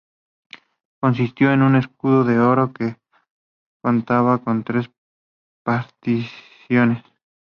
Consistió en un escudo de oro que contaba con tres particiones.